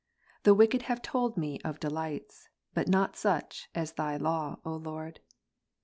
The wicked have told me of B. Xj^ delights, but not such as Thy law, Lord.